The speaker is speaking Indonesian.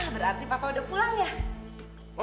berarti papa udah pulang ya